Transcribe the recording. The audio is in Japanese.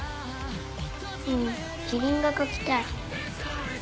うんキリンが描きたい。